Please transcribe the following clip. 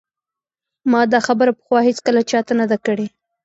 ما دا خبره پخوا هیڅکله چا ته نه ده کړې